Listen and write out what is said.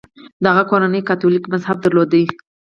د هغه کورنۍ کاتولیک مذهب درلود.